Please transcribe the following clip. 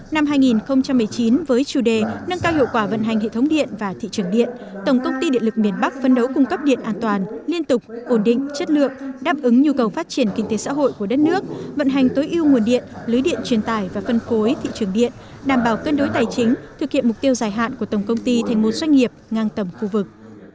năm hai nghìn một mươi chín với chủ đề nâng cao hiệu quả vận hành hệ thống điện và thị trường điện tổng công ty điện lực miền bắc phấn đấu cung cấp điện an toàn liên tục ổn định chất lượng đáp ứng nhu cầu phát triển kinh tế xã hội của đất nước vận hành tối ưu nguồn điện lưới điện truyền tải và phân phối thị trường điện đảm bảo cân đối tài chính thực hiện mục tiêu dài hạn của tổng công ty thành một doanh nghiệp ngang tầm khu vực